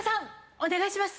お願いします！